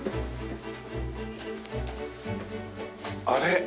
あれ？